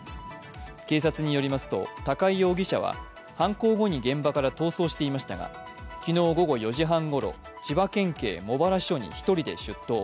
警察によりますと高井容疑者は犯行後に現場から逃走していましたが、昨日午後４時半ごろ、千葉県警茂原署に１人で出頭。